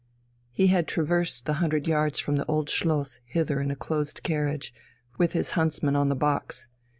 He had traversed the hundred yards from the Old Schloss hither in a closed carriage, with his huntsman on the box.